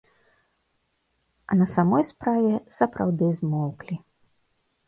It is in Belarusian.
А на самай справе, сапраўды змоўклі.